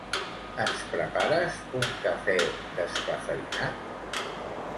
Ens prepares un cafè descafeïnat?